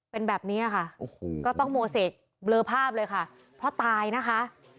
เป็นแบบนี้ค่ะโอ้โหก็ต้องโมเสกเบลอภาพเลยค่ะเพราะตายนะคะ